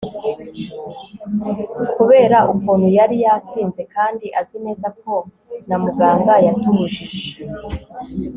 kubera ukuntu yari yasinze kandi azi neza ko na muganga yatubujije